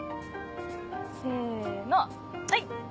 せのはい！